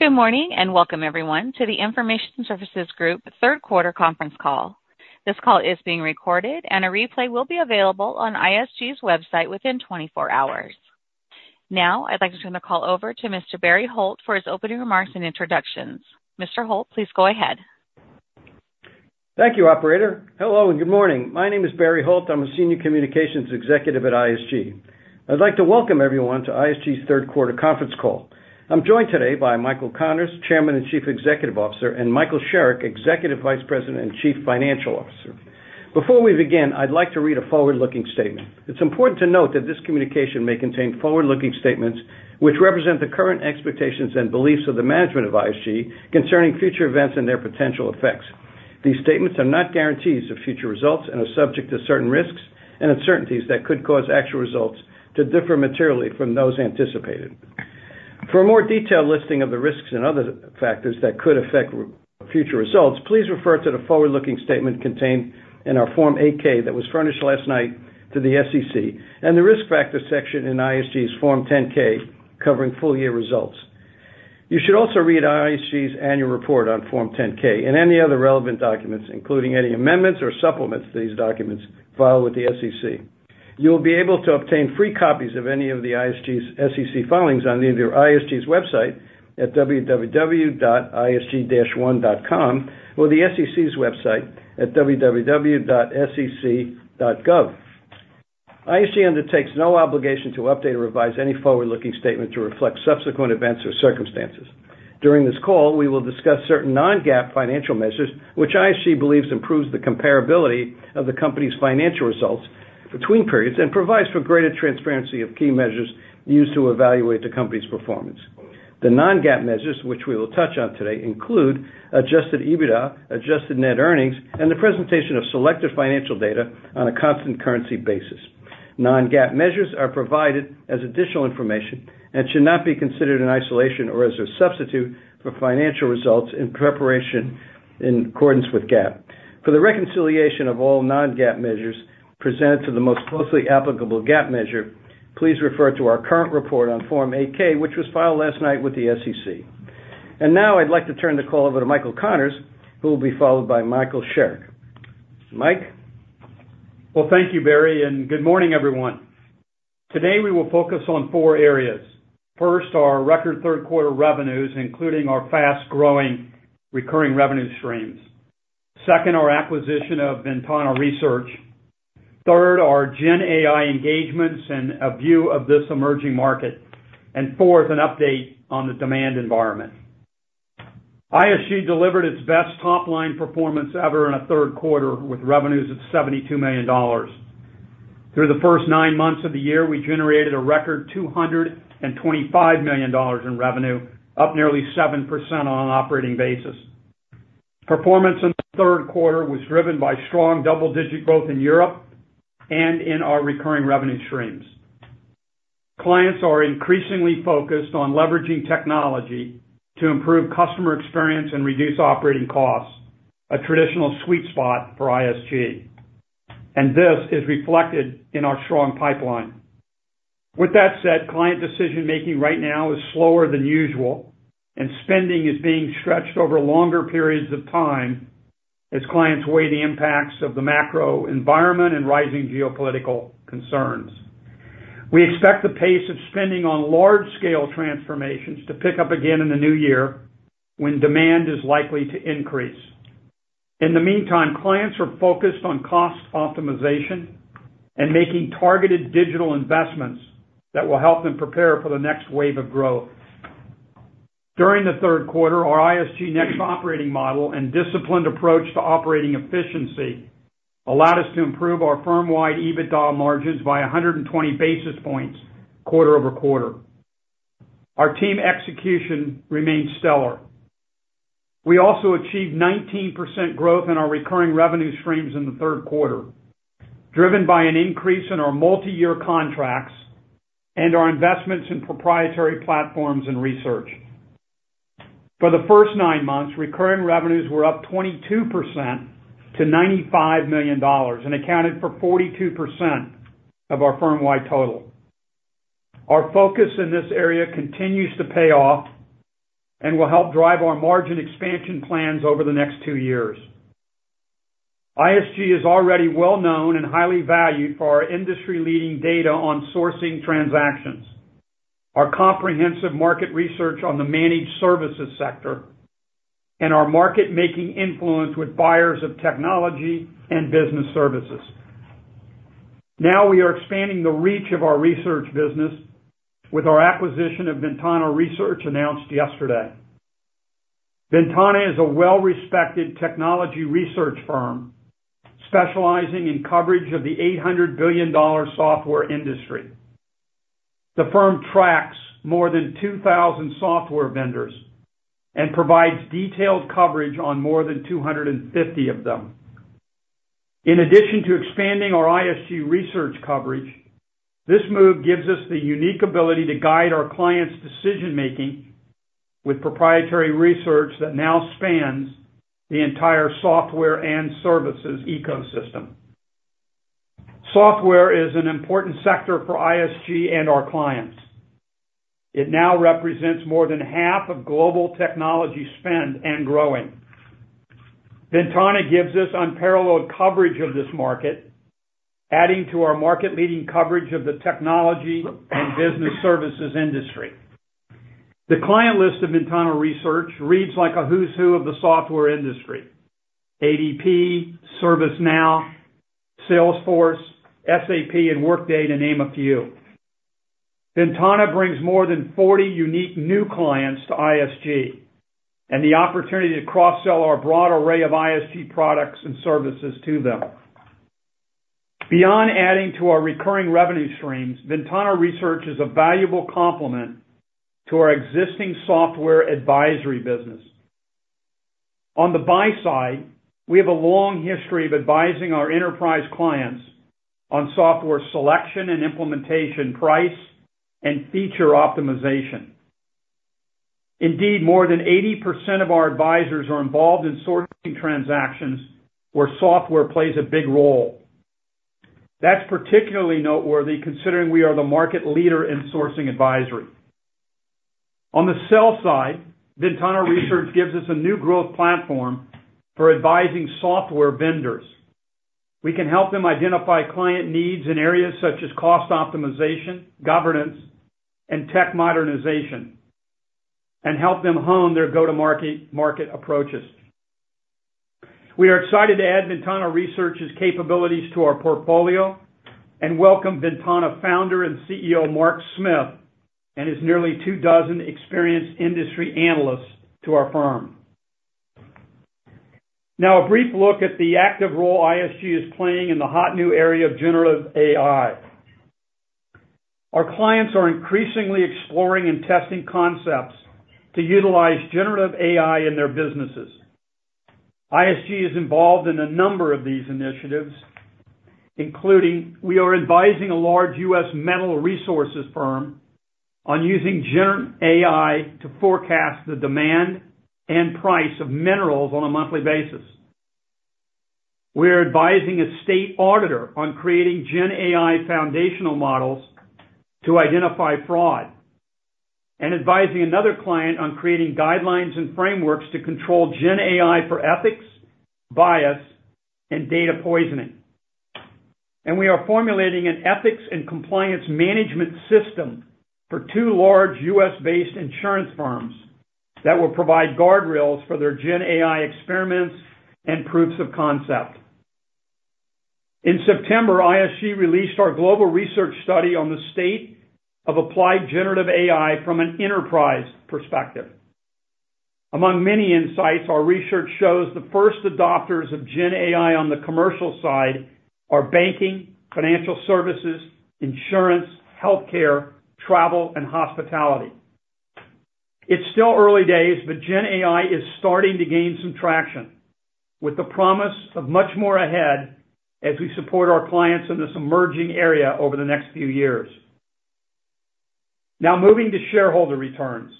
Good morning, and welcome everyone to the Information Services Group third quarter conference call. This call is being recorded, and a replay will be available on ISG's website within 24 hours. Now, I'd like to turn the call over to Mr. Barry Holt for his opening remarks and introductions. Mr. Holt, please go ahead. Thank you, operator. Hello, and good morning. My name is Barry Holt. I'm a Senior Communications Executive at ISG. I'd like to welcome everyone to ISG's third quarter conference call. I'm joined today by Michael Connors, Chairman and Chief Executive Officer, and Michael Sherrick, Executive Vice President and Chief Financial Officer. Before we begin, I'd like to read a forward-looking statement. It's important to note that this communication may contain forward-looking statements, which represent the current expectations and beliefs of the management of ISG concerning future events and their potential effects. These statements are not guarantees of future results and are subject to certain risks and uncertainties that could cause actual results to differ materially from those anticipated. For a more detailed listing of the risks and other factors that could affect our future results, please refer to the forward-looking statement contained in our Form 8-K that was furnished last night to the SEC, and the risk factors section in ISG's Form 10-K, covering full year results. You should also read ISG's annual report on Form 10-K and any other relevant documents, including any amendments or supplements to these documents, filed with the SEC. You'll be able to obtain free copies of any of the ISG's SEC filings on either ISG's website at www.isg-one.com, or the SEC's website at www.sec.gov. ISG undertakes no obligation to update or revise any forward-looking statement to reflect subsequent events or circumstances. During this call, we will discuss certain Non-GAAP financial measures, which ISG believes improves the comparability of the company's financial results between periods and provides for greater transparency of key measures used to evaluate the company's performance. The Non-GAAP measures, which we will touch on today, include Adjusted EBITDA, Adjusted Net Earnings, and the presentation of selective financial data on a constant currency basis. Non-GAAP measures are provided as additional information and should not be considered in isolation or as a substitute for financial results in preparation in accordance with GAAP. For the reconciliation of all Non-GAAP measures presented to the most closely applicable GAAP measure, please refer to our current report on Form 8-K, which was filed last night with the SEC. And now I'd like to turn the call over to Michael Connors, who will be followed by Michael Sherrick. Mike? Well, thank you, Barry, and good morning, everyone. Today, we will focus on four areas. First, our record third quarter revenues, including our fast-growing recurring revenue streams. Second, our acquisition of Ventana Research. Third, our GenAI engagements and a view of this emerging market. And fourth, an update on the demand environment. ISG delivered its best top-line performance ever in a third quarter, with revenues of $72 million. Through the first nine months of the year, we generated a record $225 million in revenue, up nearly 7% on an operating basis. Performance in the third quarter was driven by strong double-digit growth in Europe and in our recurring revenue streams. Clients are increasingly focused on leveraging technology to improve customer experience and reduce operating costs, a traditional sweet spot for ISG, and this is reflected in our strong pipeline. With that said, client decision-making right now is slower than usual, and spending is being stretched over longer periods of time as clients weigh the impacts of the macro environment and rising geopolitical concerns. We expect the pace of spending on large-scale transformations to pick up again in the new year when demand is likely to increase. In the meantime, clients are focused on cost optimization and making targeted digital investments that will help them prepare for the next wave of growth. During the third quarter, our ISG Next operating model and disciplined approach to operating efficiency allowed us to improve our firm-wide EBITDA margins by 120 basis points quarter-over-quarter. Our team execution remains stellar. We also achieved 19% growth in our recurring revenue streams in the third quarter, driven by an increase in our multiyear contracts and our investments in proprietary platforms and research. For the first nine months, recurring revenues were up 22% to $95 million and accounted for 42% of our firm-wide total. Our focus in this area continues to pay off and will help drive our margin expansion plans over the next two years. ISG is already well known and highly valued for our industry-leading data on sourcing transactions, our comprehensive market research on the managed services sector, and our market-making influence with buyers of technology and business services. Now, we are expanding the reach of our research business with our acquisition of Ventana Research, announced yesterday. Ventana is a well-respected technology research firm specializing in coverage of the $800 billion software industry. The firm tracks more than 2,000 software vendors and provides detailed coverage on more than 250 of them. In addition to expanding our ISG research coverage, this move gives us the unique ability to guide our clients' decision-making with proprietary research that now spans the entire software and services ecosystem.... Software is an important sector for ISG and our clients. It now represents more than half of global technology spend and growing. Ventana gives us unparalleled coverage of this market, adding to our market-leading coverage of the technology and business services industry. The client list of Ventana Research reads like a who's who of the software industry: ADP, ServiceNow, Salesforce, SAP, and Workday, to name a few. Ventana brings more than 40 unique new clients to ISG and the opportunity to cross-sell our broad array of ISG products and services to them. Beyond adding to our recurring revenue streams, Ventana Research is a valuable complement to our existing software advisory business. On the buy side, we have a long history of advising our enterprise clients on software selection and implementation, price, and feature optimization. Indeed, more than 80% of our advisors are involved in sourcing transactions where software plays a big role. That's particularly noteworthy, considering we are the market leader in sourcing advisory. On the sell side, Ventana Research gives us a new growth platform for advising software vendors. We can help them identify client needs in areas such as cost optimization, governance, and tech modernization, and help them hone their go-to-market approaches. We are excited to add Ventana Research's capabilities to our portfolio and welcome Ventana founder and CEO, Mark Smith, and his nearly two dozen experienced industry analysts to our firm. Now, a brief look at the active role ISG is playing in the hot new area of Generative AI. Our clients are increasingly exploring and testing concepts to utilize Generative AI in their businesses. ISG is involved in a number of these initiatives, including we are advising a large U.S. metal resources firm on using GenAI to forecast the demand and price of minerals on a monthly basis. We're advising a state auditor on creating GenAI foundational models to identify fraud, and advising another client on creating guidelines and frameworks to control GenAI for ethics, bias, and data poisoning. We are formulating an ethics and compliance management system for two large U.S.-based insurance firms that will provide guardrails for their GenAI experiments and proofs of concept. In September, ISG released our global research study on the state of applied Generative AI from an enterprise perspective. Among many insights, our research shows the first adopters of GenAI on the commercial side are banking, financial services, insurance, healthcare, travel, and hospitality. It's still early days, but GenAI is starting to gain some traction, with the promise of much more ahead as we support our clients in this emerging area over the next few years. Now moving to shareholder returns.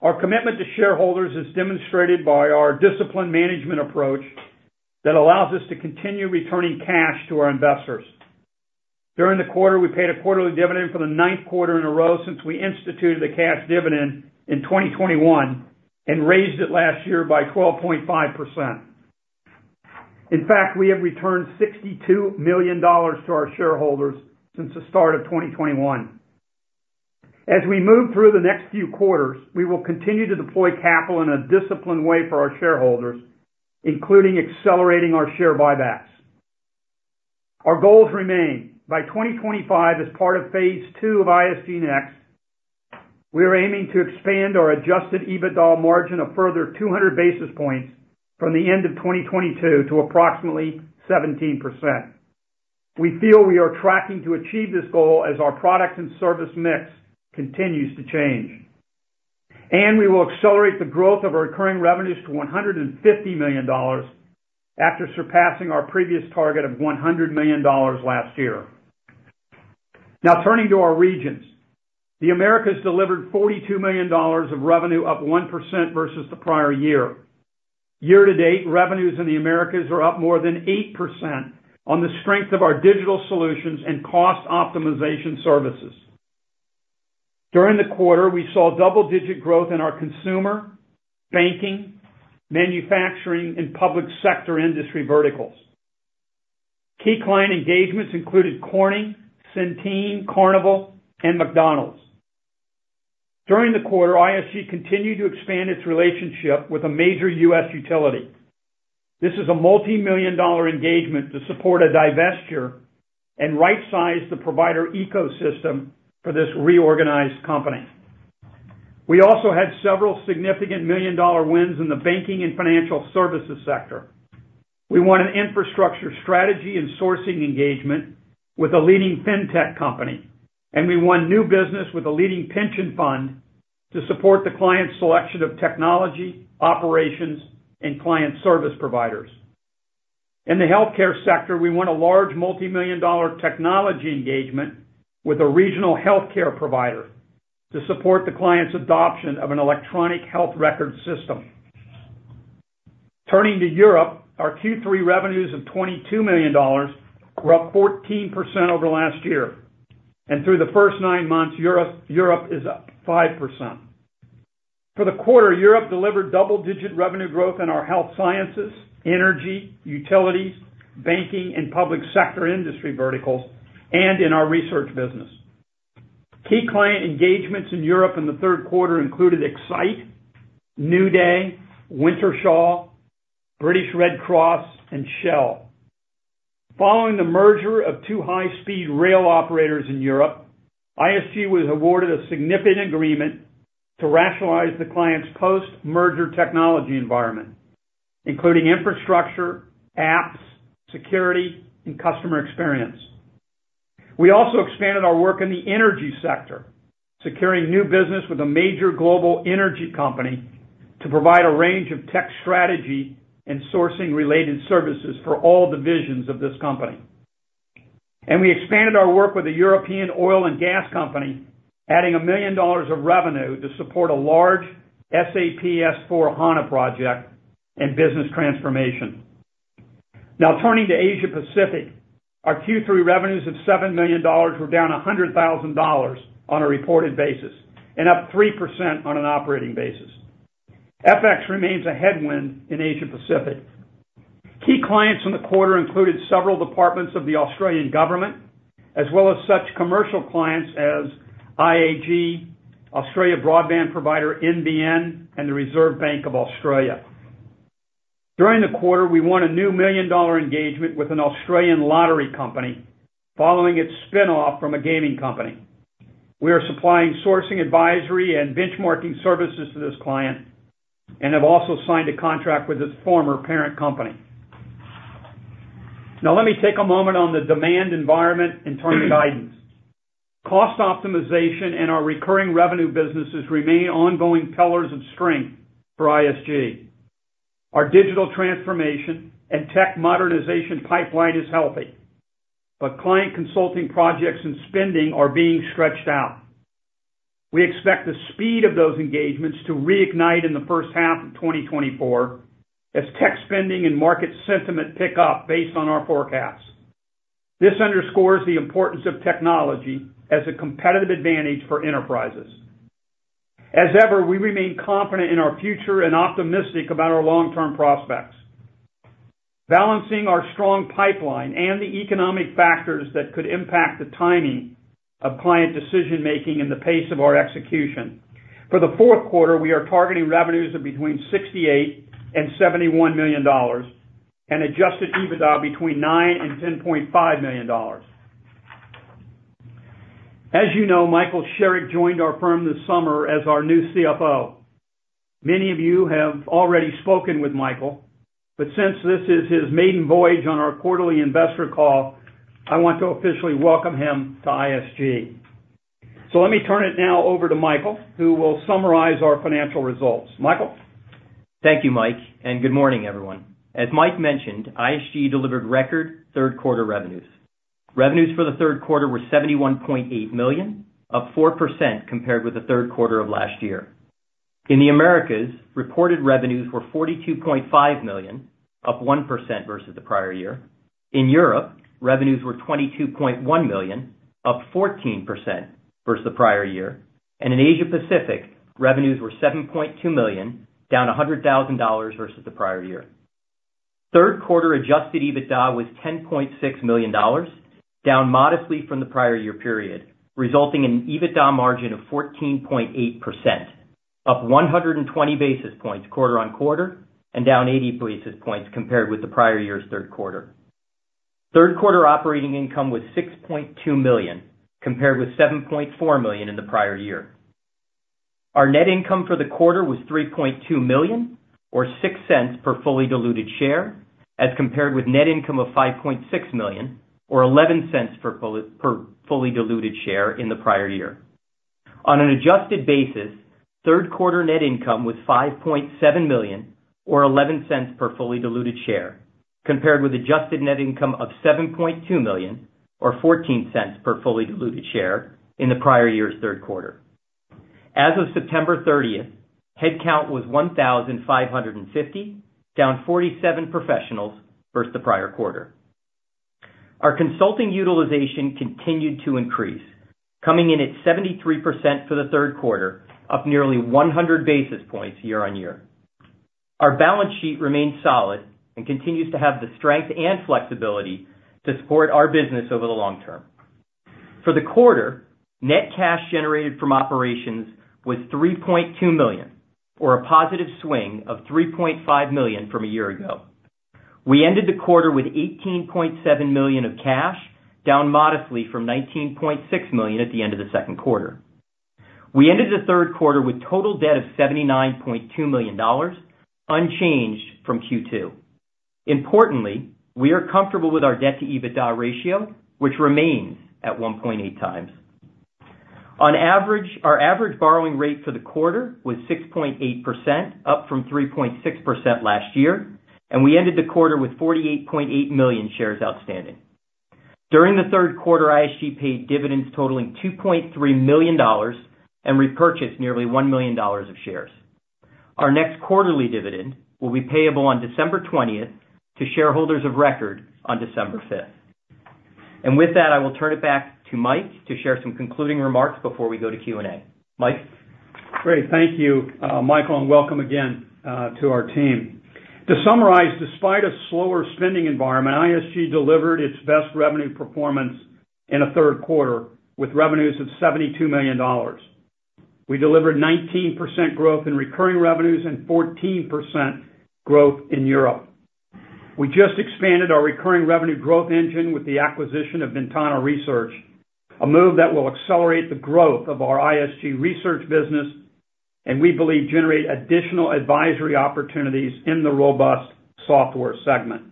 Our commitment to shareholders is demonstrated by our disciplined management approach that allows us to continue returning cash to our investors. During the quarter, we paid a quarterly dividend for the ninth quarter in a row since we instituted the cash dividend in 2021 and raised it last year by 12.5%. In fact, we have returned $62 million to our shareholders since the start of 2021. As we move through the next few quarters, we will continue to deploy capital in a disciplined way for our shareholders, including accelerating our share buybacks. Our goals remain: by 2025, as part of phase two of ISG Next, we are aiming to expand our Adjusted EBITDA margin a further 200 basis points from the end of 2022 to approximately 17%. We feel we are tracking to achieve this goal as our product and service mix continues to change. We will accelerate the growth of our recurring revenues to $150 million after surpassing our previous target of $100 million last year. Now, turning to our regions. The Americas delivered $42 million of revenue, up 1% versus the prior year. Year-to-date, revenues in the Americas are up more than 8% on the strength of our digital solutions and cost optimization services. During the quarter, we saw double-digit growth in our consumer, banking, manufacturing, and public sector industry verticals. Key client engagements included Corning, Centene, Carnival, and McDonald's. During the quarter, ISG continued to expand its relationship with a major U.S. utility. This is a multimillion-dollar engagement to support a divestiture and rightsize the provider ecosystem for this reorganized company. We also had several significant million-dollar wins in the banking and financial services sector. We won an infrastructure strategy and sourcing engagement with a leading fintech company, and we won new business with a leading pension fund to support the client's selection of technology, operations, and client service providers. In the healthcare sector, we won a large multimillion-dollar technology engagement with a regional healthcare provider to support the client's adoption of an electronic health record system. Turning to Europe, our Q3 revenues of $22 million were up 14% over last year, and through the first nine months, Europe is up 5%. For the quarter, Europe delivered double-digit revenue growth in our health sciences, energy, utilities, banking, and public sector industry verticals, and in our research business. Key client engagements in Europe in the third quarter included Exyte, NewDay, Wintershall, British Red Cross, and Shell. Following the merger of two high-speed rail operators in Europe, ISG was awarded a significant agreement to rationalize the client's post-merger technology environment, including infrastructure, apps, security, and customer experience. We also expanded our work in the energy sector, securing new business with a major global energy company to provide a range of tech strategy and sourcing-related services for all divisions of this company. We expanded our work with a European oil and gas company, adding $1 million of revenue to support a large SAP S/4HANA project and business transformation. Now, turning to Asia Pacific, our Q3 revenues of $7 million were down $100,000 on a reported basis and up 3% on an operating basis. FX remains a headwind in Asia Pacific. Key clients in the quarter included several departments of the Australian government, as well as such commercial clients as IAG, Australia broadband provider, NBN, and the Reserve Bank of Australia. During the quarter, we won a new $1 million engagement with an Australian lottery company, following its spin-off from a gaming company. We are supplying sourcing, advisory, and benchmarking services to this client and have also signed a contract with its former parent company. Now, let me take a moment on the demand environment and turning guidance. Cost optimization and our recurring revenue businesses remain ongoing pillars of strength for ISG. Our digital transformation and tech modernization pipeline is healthy, but client consulting projects and spending are being stretched out. We expect the speed of those engagements to reignite in the first half of 2024 as tech spending and market sentiment pick up based on our forecasts. This underscores the importance of technology as a competitive advantage for enterprises. As ever, we remain confident in our future and optimistic about our long-term prospects. Balancing our strong pipeline and the economic factors that could impact the timing of client decision-making and the pace of our execution, for the fourth quarter, we are targeting revenues of between $68 million and $71 million and adjusted EBITDA between $9 million and $10.5 million. As you know, Michael Sherrick joined our firm this summer as our new CFO. Many of you have already spoken with Michael, but since this is his maiden voyage on our quarterly investor call, I want to officially welcome him to ISG. So let me turn it now over to Michael, who will summarize our financial results. Michael? Thank you, Mike, and good morning, everyone. As Mike mentioned, ISG delivered record third-quarter revenues. Revenues for the third quarter were $71.8 million, up 4% compared with the third quarter of last year. In the Americas, reported revenues were $42.5 million, up 1% versus the prior year. In Europe, revenues were $22.1 million, up 14% versus the prior year. In Asia Pacific, revenues were $7.2 million, down $100,000 versus the prior year. Third quarter Adjusted EBITDA was $10.6 million, down modestly from the prior year period, resulting in an EBITDA margin of 14.8%, up 120 basis points quarter-over-quarter, and down 80 basis points compared with the prior year's third quarter. Third quarter operating income was $6.2 million, compared with $7.4 million in the prior year. Our net income for the quarter was $3.2 million, or $0.06 per fully diluted share, as compared with net income of $5.6 million, or $0.11 per fully diluted share in the prior year. On an adjusted basis, third quarter net income was $5.7 million or $0.11 per fully diluted share, compared with adjusted net income of $7.2 million or $0.14 per fully diluted share in the prior year's third quarter. As of September 30, headcount was 1,550, down 47 professionals versus the prior quarter. Our consulting utilization continued to increase, coming in at 73% for the third quarter, up nearly 100 basis points year-on-year. Our balance sheet remains solid and continues to have the strength and flexibility to support our business over the long term. For the quarter, net cash generated from operations was $3.2 million, or a positive swing of $3.5 million from a year ago. We ended the quarter with $18.7 million of cash, down modestly from $19.6 million at the end of the second quarter. We ended the third quarter with total debt of $79.2 million, unchanged from Q2. Importantly, we are comfortable with our debt-to-EBITDA ratio, which remains at 1.8 times. On average, our average borrowing rate for the quarter was 6.8%, up from 3.6% last year, and we ended the quarter with 48.8 million shares outstanding. During the third quarter, ISG paid dividends totaling $2.3 million and repurchased nearly $1 million of shares. Our next quarterly dividend will be payable on December twentieth to shareholders of record on December fifth. And with that, I will turn it back to Mike to share some concluding remarks before we go to Q&A. Mike? Great. Thank you, Michael, and welcome again, to our team. To summarize, despite a slower spending environment, ISG delivered its best revenue performance in a third quarter, with revenues of $72 million. We delivered 19% growth in recurring revenues and 14% growth in Europe. We just expanded our recurring revenue growth engine with the acquisition of Ventana Research, a move that will accelerate the growth of our ISG research business and we believe generate additional advisory opportunities in the robust software segment.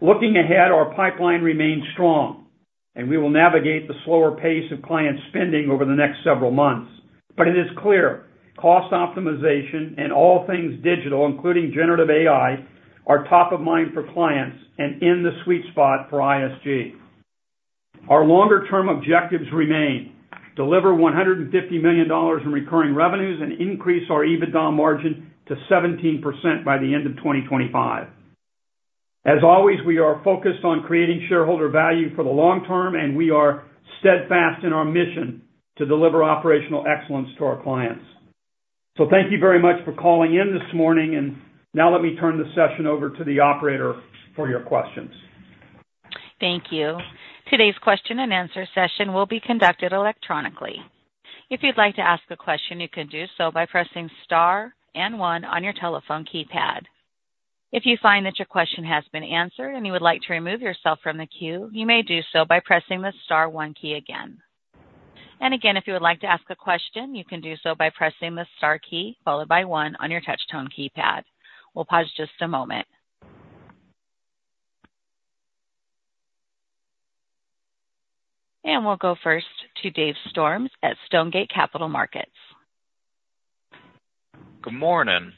Looking ahead, our pipeline remains strong, and we will navigate the slower pace of client spending over the next several months. But it is clear, cost optimization and all things digital, including generative AI, are top of mind for clients and in the sweet spot for ISG. Our longer-term objectives remain: deliver $150 million in recurring revenues and increase our EBITDA margin to 17% by the end of 2025. As always, we are focused on creating shareholder value for the long term, and we are steadfast in our mission to deliver operational excellence to our clients. Thank you very much for calling in this morning, and now let me turn the session over to the operator for your questions. Thank you. Today's question and answer session will be conducted electronically. If you'd like to ask a question, you can do so by pressing star and one on your telephone keypad. If you find that your question has been answered and you would like to remove yourself from the queue, you may do so by pressing the star one key again. And again, if you would like to ask a question, you can do so by pressing the star key followed by one on your touch tone keypad. We'll pause just a moment. And we'll go first to Dave Storms at Stonegate Capital Markets. Good morning.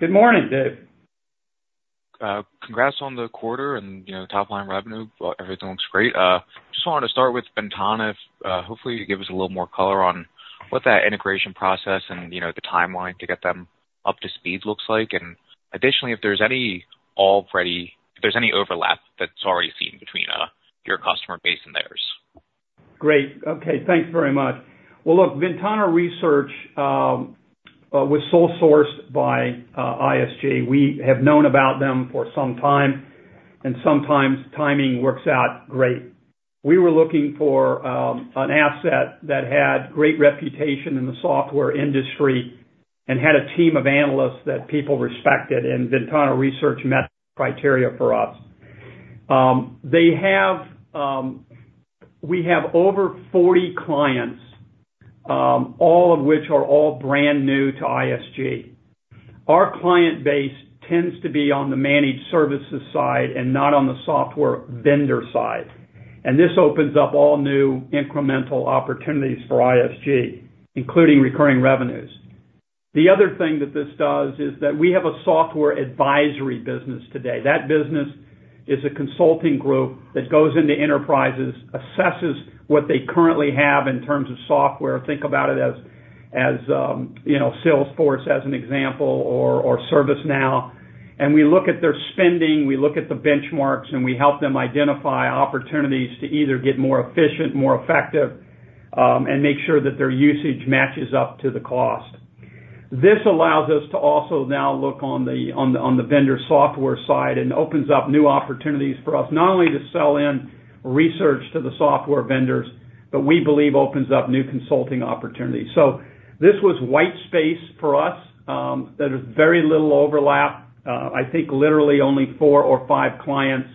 Good morning, Dave. Congrats on the quarter and, you know, top-line revenue. Well, everything looks great. Just wanted to start with Ventana. Hopefully, you give us a little more color on what that integration process and, you know, the timeline to get them up to speed looks like. Additionally, if there's any overlap that's already seen between your customer base and theirs. Great. Okay, thanks very much. Well, look, Ventana Research was sole sourced by ISG. We have known about them for some time, and sometimes timing works out great. We were looking for an asset that had great reputation in the software industry and had a team of analysts that people respected, and Ventana Research met the criteria for us. They have. We have over 40 clients, all of which are all brand new to ISG. Our client base tends to be on the managed services side and not on the software vendor side, and this opens up all new incremental opportunities for ISG, including recurring revenues. The other thing that this does is that we have a software advisory business today. That business is a consulting group that goes into enterprises, assesses what they currently have in terms of software. Think about it as, you know, Salesforce as an example, or ServiceNow, and we look at their spending, we look at the benchmarks, and we help them identify opportunities to either get more efficient, more effective, and make sure that their usage matches up to the cost. This allows us to also now look on the vendor software side and opens up new opportunities for us, not only to sell in research to the software vendors, but we believe opens up new consulting opportunities. So this was white space for us. There is very little overlap. I think literally only four or five clients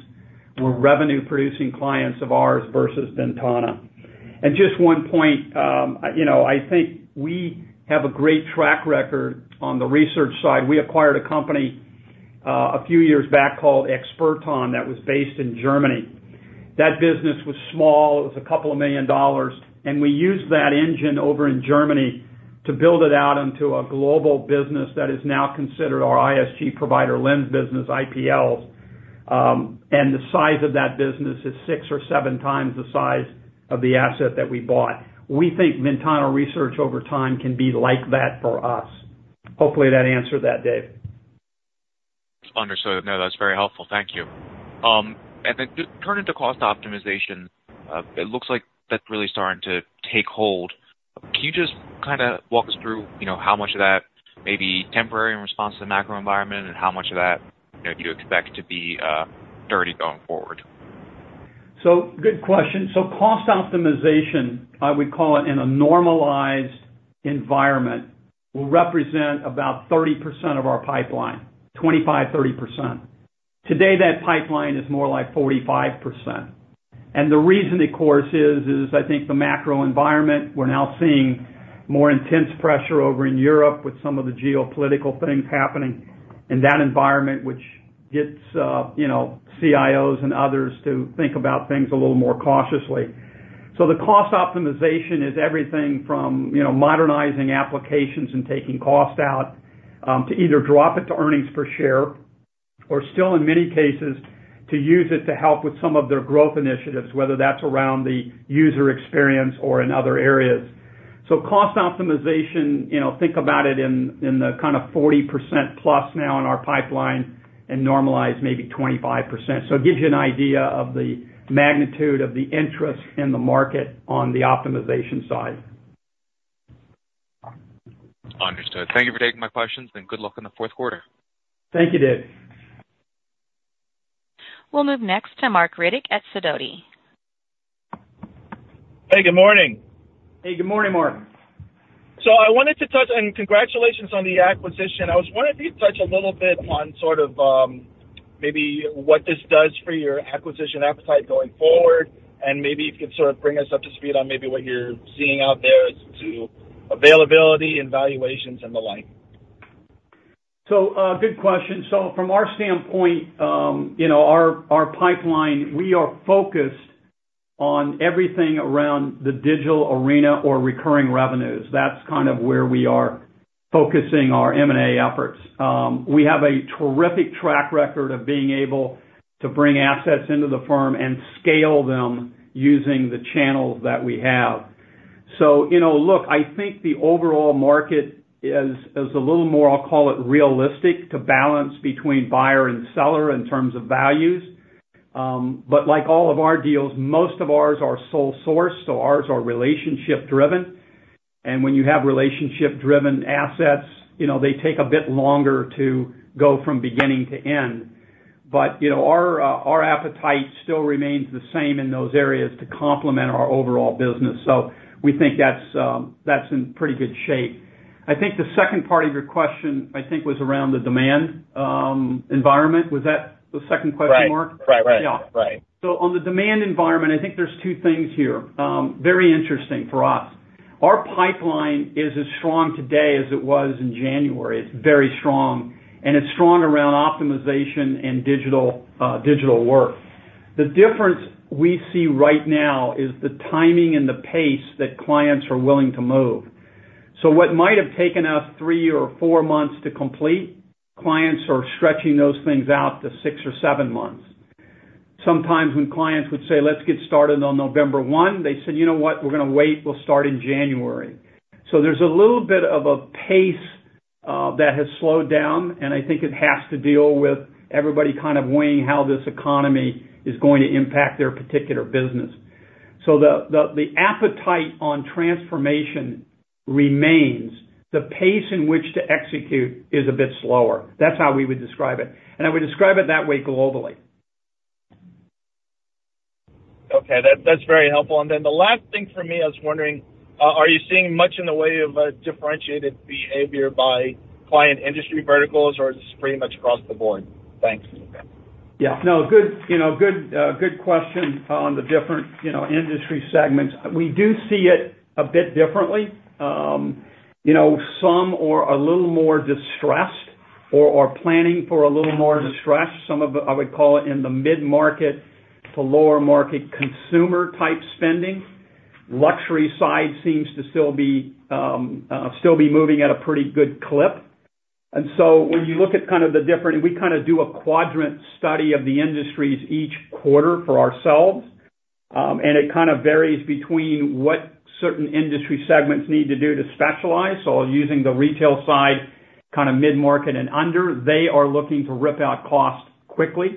were revenue-producing clients of ours versus Ventana. And just one point, you know, I think we have a great track record on the research side. We acquired a company, a few years back called Experton, that was based in Germany. That business was small. It was $2 million, and we used that engine over in Germany to build it out into a global business that is now considered our ISG Provider Lens business, IPLs, and the size of that business is six or seven times the size of the asset that we bought. We think Ventana Research over time can be like that for us. Hopefully, that answered that, Dave. Understood. No, that's very helpful. Thank you. And then just turning to cost optimization, it looks like that's really starting to take hold. Can you just kind of walk us through, you know, how much of that may be temporary in response to the macro environment and how much of that, you know, do you expect to be sturdy going forward? So good question. So cost optimization, I would call it in a normalized environment, will represent about 30% of our pipeline, 25%-30%. Today, that pipeline is more like 45%. And the reason, of course, is I think the macro environment, we're now seeing more intense pressure over in Europe with some of the geopolitical things happening in that environment, which gets, you know, CIOs and others to think about things a little more cautiously. So the cost optimization is everything from, you know, modernizing applications and taking cost out, to either drop it to earnings per share or still, in many cases, to use it to help with some of their growth initiatives, whether that's around the user experience or in other areas. So cost optimization, you know, think about it in the kind of 40%+ now in our pipeline and normalize maybe 25%. So it gives you an idea of the magnitude of the interest in the market on the optimization side. Understood. Thank you for taking my questions, and good luck in the fourth quarter. Thank you, Dave. We'll move next to Marc Riddick at Sidoti. Hey, good morning. Hey, good morning, Mark. I wanted to touch and congratulations on the acquisition. I was wondering if you'd touch a little bit on sort of, maybe what this does for your acquisition appetite going forward, and maybe if you could sort of bring us up to speed on maybe what you're seeing out there as to availability and valuations and the like. So, good question. So from our standpoint, you know, our pipeline, we are focused on everything around the digital arena or recurring revenues. That's kind of where we are focusing our M&A efforts. We have a terrific track record of being able to bring assets into the firm and scale them using the channels that we have. So, you know, look, I think the overall market is a little more, I'll call it, realistic to balance between buyer and seller in terms of values. But like all of our deals, most of ours are sole source, so ours are relationship driven. And when you have relationship-driven assets, you know, they take a bit longer to go from beginning to end. But, you know, our appetite still remains the same in those areas to complement our overall business. So we think that's, that's in pretty good shape. I think the second part of your question, I think, was around the demand environment. Was that the second question, Mark? Right. Right, right. Yeah. Right. So on the demand environment, I think there's two things here, very interesting for us. Our pipeline is as strong today as it was in January. It's very strong, and it's strong around optimization and digital, digital work. The difference we see right now is the timing and the pace that clients are willing to move. So what might have taken us three or four months to complete, clients are stretching those things out to six or seven months. Sometimes when clients would say, "Let's get started on November one," they said, "You know what? We're gonna wait. We'll start in January." So there's a little bit of a pace that has slowed down, and I think it has to deal with everybody kind of weighing how this economy is going to impact their particular business. So the appetite on transformation remains. The pace in which to execute is a bit slower. That's how we would describe it, and I would describe it that way globally. Okay, that, that's very helpful. And then the last thing for me, I was wondering, are you seeing much in the way of a differentiated behavior by client industry verticals, or is this pretty much across the board? Thanks. Yeah. No, good, you know, good, good question on the different, you know, industry segments. We do see it a bit differently. You know, some are a little more distressed or, or planning for a little more distress. Some of it, I would call it in the mid-market to lower market, consumer-type spending. Luxury side seems to still be, still be moving at a pretty good clip. And so when you look at kind of the different, we kinda do a quadrant study of the industries each quarter for ourselves, and it kind of varies between what certain industry segments need to do to specialize. So using the retail side, kind of mid-market and under, they are looking to rip out cost quickly.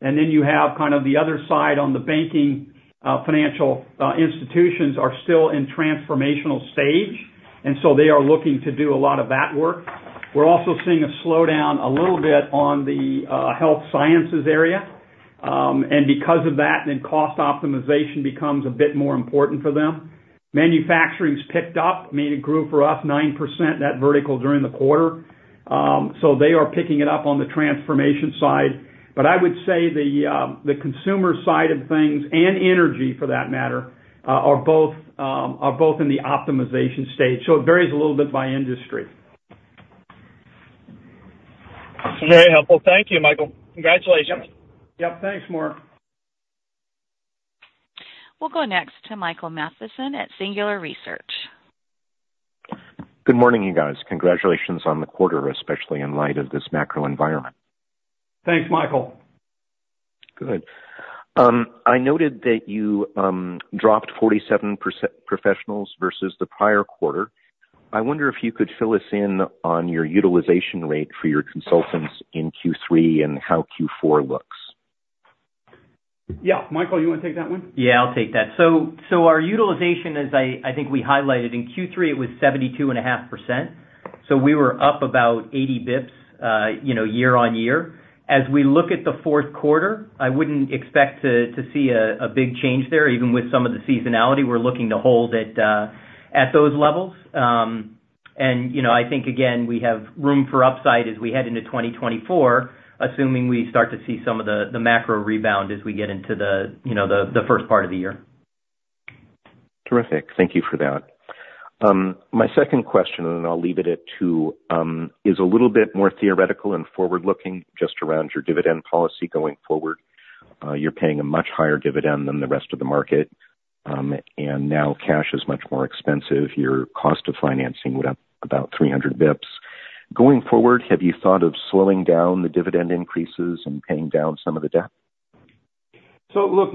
And then you have kind of the other side on the banking, financial, institutions are still in transformational stage, and so they are looking to do a lot of that work. We're also seeing a slowdown a little bit on the, health sciences area, and because of that, then cost optimization becomes a bit more important for them. Manufacturing's picked up, I mean, it grew for us 9%, that vertical, during the quarter. So they are picking it up on the transformation side. But I would say the, the consumer side of things and energy, for that matter, are both, are both in the optimization stage. So it varies a little bit by industry. Very helpful. Thank you, Michael. Congratulations. Yep. Thanks, Mark. We'll go next to Michael Mathison at Singular Research. Good morning, you guys. Congratulations on the quarter, especially in light of this macro environment. Thanks, Michael. Good. I noted that you dropped 47% professionals versus the prior quarter. I wonder if you could fill us in on your utilization rate for your consultants in Q3 and how Q4 looks. Yeah, Michael, you wanna take that one? Yeah, I'll take that. So our utilization, as I think we highlighted, in Q3, it was 72.5%, so we were up about 80 basis points, you know, year-on-year. As we look at the fourth quarter, I wouldn't expect to see a big change there, even with some of the seasonality. We're looking to hold it at those levels. And, you know, I think, again, we have room for upside as we head into 2024, assuming we start to see some of the macro rebound as we get into the, you know, the first part of the year. Terrific. Thank you for that. My second question, and I'll leave it at two, is a little bit more theoretical and forward-looking, just around your dividend policy going forward. You're paying a much higher dividend than the rest of the market, and now cash is much more expensive. Your cost of financing went up about 300 basis points. Going forward, have you thought of slowing down the dividend increases and paying down some of the debt? So look,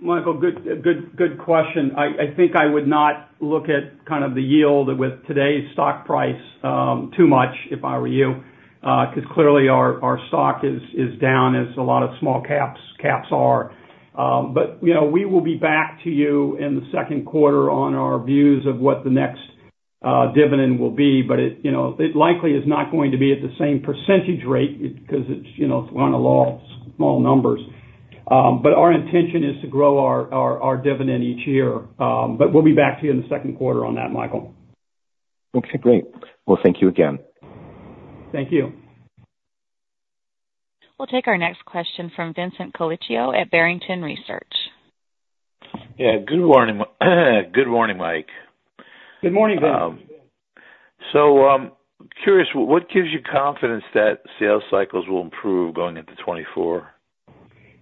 Michael, good, good, good question. I think I would not look at kind of the yield with today's stock price too much if I were you, 'cause clearly our stock is down, as a lot of small caps are. But, you know, we will be back to you in the second quarter on our views of what the next dividend will be. But it, you know, it likely is not going to be at the same percentage rate because it's, you know, it's on a low, small numbers. But our intention is to grow our dividend each year. But we'll be back to you in the second quarter on that, Michael. Okay, great. Well, thank you again. Thank you. We'll take our next question from Vincent Colicchio at Barrington Research. Yeah, good morning. Good morning, Mike. Good morning, Vince. So, curious, what gives you confidence that sales cycles will improve going into 2024?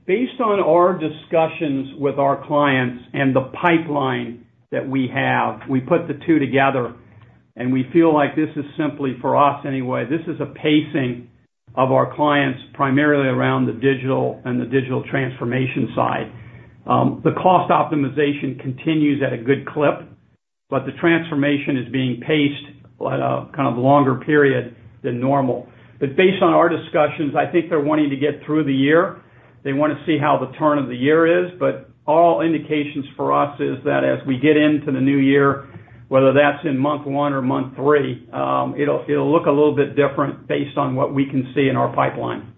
Based on our discussions with our clients and the pipeline that we have, we put the two together, and we feel like this is simply, for us anyway, this is a pacing of our clients, primarily around the digital and the digital transformation side. The cost optimization continues at a good clip, but the transformation is being paced at a kind of longer period than normal. But based on our discussions, I think they're wanting to get through the year. They want to see how the turn of the year is. But all indications for us is that as we get into the new year, whether that's in month one or month three, it'll, it'll look a little bit different based on what we can see in our pipeline.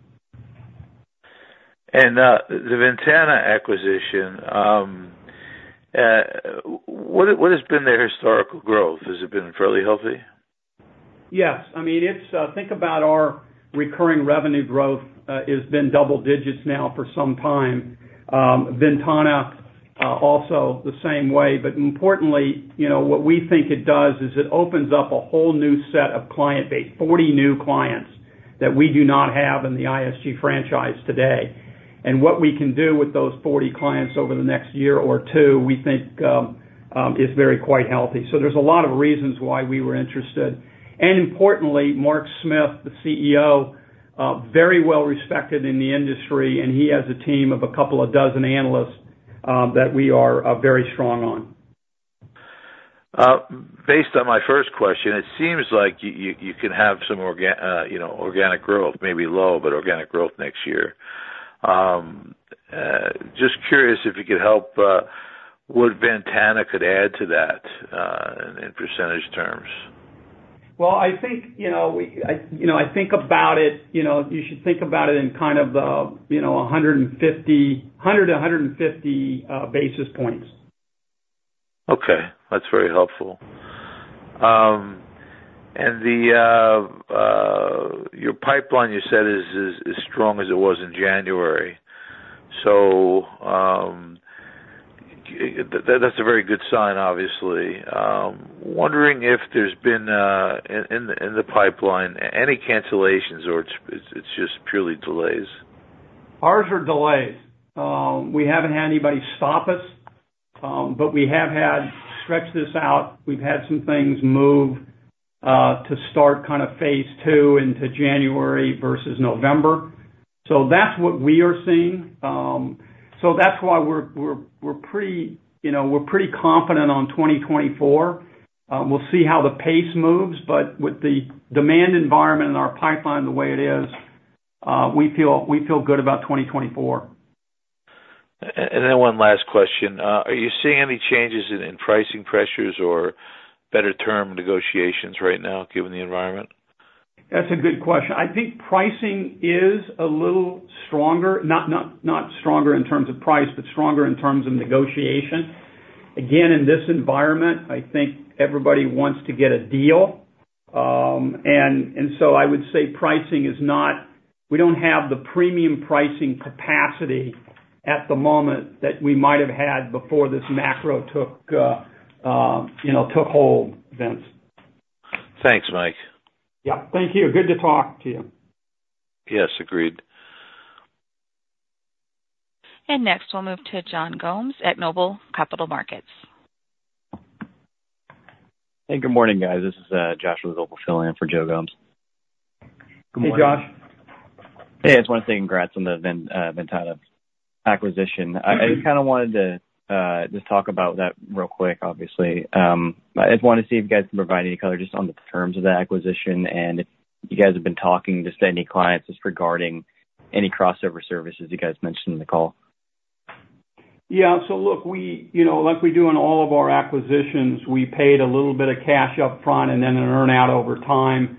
The Ventana acquisition, what has been their historical growth? Has it been fairly healthy? Yes. I mean, it's, think about our recurring revenue growth, has been double digits now for some time. Ventana, also the same way, but importantly, you know, what we think it does is it opens up a whole new set of client base, 40 new clients, that we do not have in the ISG franchise today. And what we can do with those 40 clients over the next year or two, we think, is very quite healthy. So there's a lot of reasons why we were interested. And importantly, Mark Smith, the CEO, very well respected in the industry, and he has a team of a couple of dozen analysts, that we are very strong on. Based on my first question, it seems like you can have some organic growth, maybe low, but organic growth next year. Just curious if you could help what Ventana could add to that in percentage terms? Well, I think, you know, we—I, you know, I think about it, you know, you should think about it in kind of the, you know, 150, 100 to 150 basis points. Okay. That's very helpful. And your pipeline, you said, is as strong as it was in January. So, that's a very good sign, obviously. Wondering if there's been in the pipeline any cancellations or it's just purely delays? Ours are delays. We haven't had anybody stop us, but we have had stretched this out. We've had some things move to start kind of phase two into January versus November. So that's what we are seeing. So that's why we're pretty, you know, we're pretty confident on 2024. We'll see how the pace moves, but with the demand environment and our pipeline, the way it is, we feel good about 2024. And then one last question. Are you seeing any changes in pricing pressures or better term negotiations right now, given the environment? That's a good question. I think pricing is a little stronger. Not stronger in terms of price, but stronger in terms of negotiation. Again, in this environment, I think everybody wants to get a deal. And so I would say pricing is not... We don't have the premium pricing capacity at the moment that we might have had before this macro took, you know, took hold, Vince. Thanks, Mike. Yeah. Thank you. Good to talk to you. Yes, agreed. Next, we'll move to Joe Gomes at Noble Capital Markets. Hey, good morning, guys. This is Joshua filling in for Joe Gomes. Good morning, Josh. Hey, I just want to say congrats on the Ventana acquisition. I, I kind of wanted to just talk about that real quick, obviously. I just wanted to see if you guys can provide any color just on the terms of the acquisition and if you guys have been talking just to any clients regarding any crossover services you guys mentioned in the call. Yeah. So look, we, you know, like we do in all of our acquisitions, we paid a little bit of cash up front and then an earn-out over time,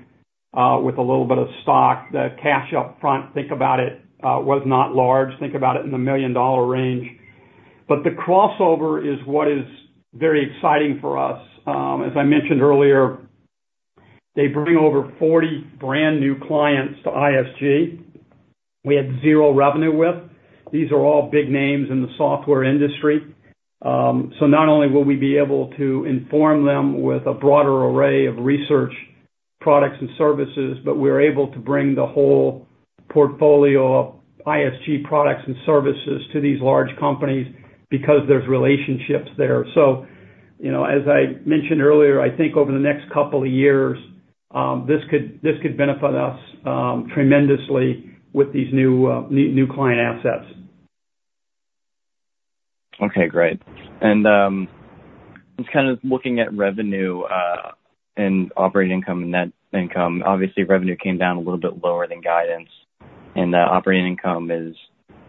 with a little bit of stock. The cash up front, think about it, was not large. Think about it in the $1 million range. But the crossover is what is very exciting for us. As I mentioned earlier, they bring over 40 brand-new clients to ISG. We had zero revenue with. These are all big names in the software industry. So not only will we be able to inform them with a broader array of research, products and services, but we're able to bring the whole portfolio of ISG products and services to these large companies because there's relationships there. So, you know, as I mentioned earlier, I think over the next couple of years, this could benefit us tremendously with these new client assets. Okay, great. And just kind of looking at revenue and operating income and net income. Obviously, revenue came down a little bit lower than guidance, and the operating income is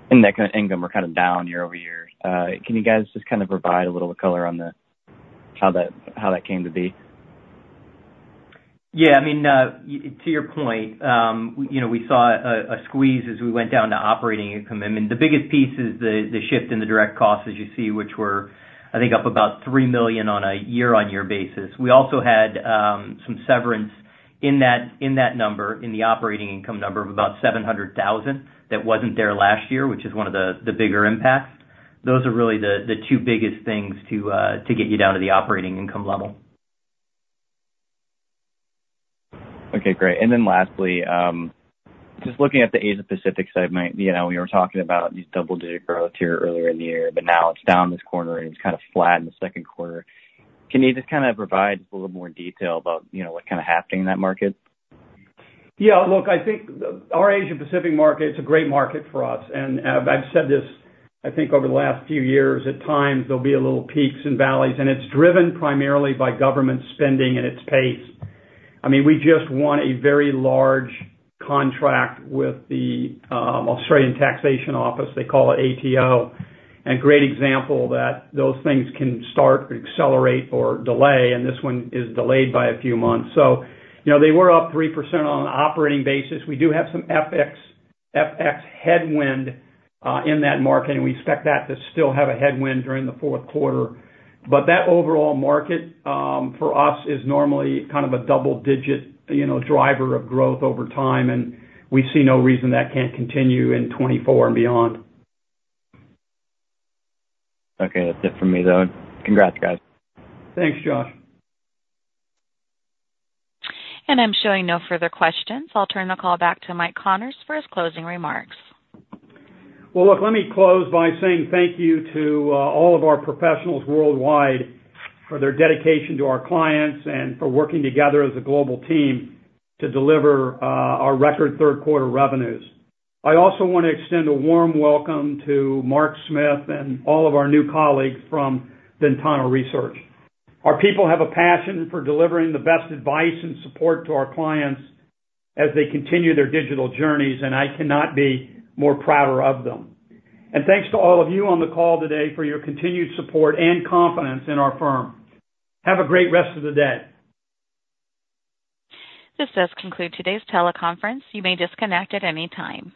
and net income are kind of down year-over-year. Can you guys just kind of provide a little color on the how that came to be? Yeah, I mean, to your point, you know, we saw a squeeze as we went down to operating income. I mean, the biggest piece is the shift in the direct costs, as you see, which were, I think, up about $3 million on a year-on-year basis. We also had some severance in that number, in the operating income number of about $700,000 that wasn't there last year, which is one of the bigger impacts. Those are really the two biggest things to get you down to the operating income level. Okay, great. And then lastly, just looking at the Asia Pacific segment, you know, we were talking about these double-digit growth here earlier in the year, but now it's down this quarter, and it's kind of flat in the second quarter. Can you just kind of provide a little more detail about, you know, what kind of happening in that market? Yeah, look, I think our Asia Pacific market is a great market for us, and I've said this, I think, over the last few years. At times, there'll be little peaks and valleys, and it's driven primarily by government spending and its pace. I mean, we just won a very large contract with the Australian Taxation Office. They call it ATO. And great example that those things can start, accelerate or delay, and this one is delayed by a few months. So, you know, they were up 3% on an operating basis. We do have some FX, FX headwind in that market, and we expect that to still have a headwind during the fourth quarter. But that overall market, for us, is normally kind of a double-digit, you know, driver of growth over time, and we see no reason that can't continue in 2024 and beyond. Okay, that's it for me, though. Congrats, guys. Thanks, Josh. I'm showing no further questions. I'll turn the call back to Mike Connors for his closing remarks. Well, look, let me close by saying thank you to all of our professionals worldwide for their dedication to our clients and for working together as a global team to deliver our record third quarter revenues. I also want to extend a warm welcome to Mark Smith and all of our new colleagues from Ventana Research. Our people have a passion for delivering the best advice and support to our clients as they continue their digital journeys, and I cannot be more prouder of them. Thanks to all of you on the call today for your continued support and confidence in our firm. Have a great rest of the day. This does conclude today's teleconference. You may disconnect at any time.